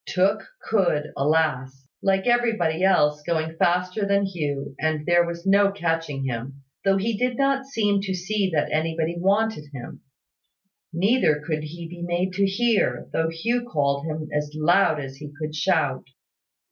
Tooke could, alas! Like everybody else, go faster than Hugh; and there was no catching him, though he did not seem to see that anybody wanted him. Neither could he be made to hear, though Hugh called him as loud as he could shout.